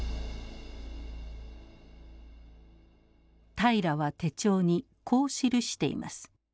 平良は手帳にこう記しています。